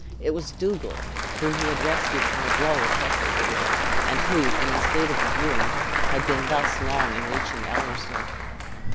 It was Dugald whom he had rescued from the blow of Heselrigge, and who, from the state of his wound had been thus long in reaching Ellerslie.